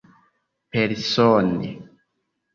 Persone.